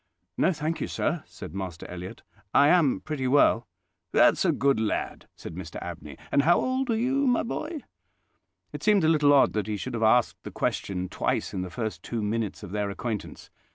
"No, thank you, sir," said Master Elliott; "I am pretty well." "That's a good lad," said Mr Abney. "And how old are you, my boy?" It seemed a little odd that he should have asked the question twice in the first two minutes of their acquaintance.